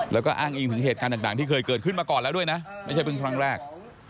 แล้วก็อ้างอิงถึงเหตุการณ์ต่างที่เคยเกิดขึ้นมาก่อนแล้วด้วยนะไม่ใช่เป็นครั้งแรก